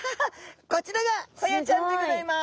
こちらがホヤちゃんでございます。